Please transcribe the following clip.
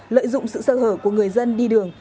lợi dụng sự sơ hở của người dân đi đường